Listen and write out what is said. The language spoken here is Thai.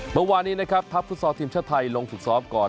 เมื่อวานนี้นะครับทัพฟุตซอลทีมชาติไทยลงฝึกซ้อมก่อน